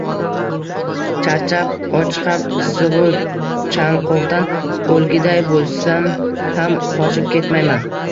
Charchab, ochqab, issigʻu chanqovdan oʻlgiday boʻlsam ham qochib ketmayman.